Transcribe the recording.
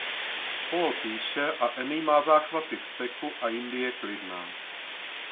Paul píše a Annie má záchvaty vzteku a jindy je klidná.